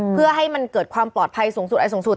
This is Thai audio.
เพื่อให้มันเกิดความปลอดภัยสูงสุดอะไรสูงสุด